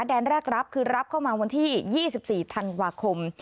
แดนแรกรับคือรับเข้ามาวันที่๒๔ธันวาคม